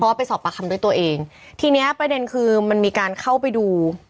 ว่าไปสอบปากคำด้วยตัวเองทีเนี้ยประเด็นคือมันมีการเข้าไปดู